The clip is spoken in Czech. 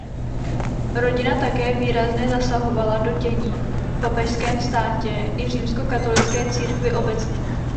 Rodina také výrazně zasahovala do dění v papežském státě i římskokatolické církvi obecně.